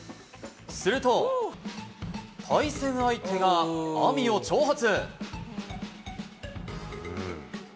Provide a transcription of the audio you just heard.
すると、対戦相手がアミを挑発。